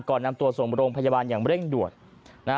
ก่อนนำตัวส่งโรงพยาบาลอย่างเร่งด่วนนะฮะ